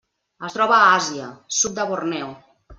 Es troba a Àsia: sud de Borneo.